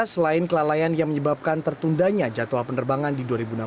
selain kelalaian yang menyebabkan tertundanya jadwal penerbangan di dua ribu enam belas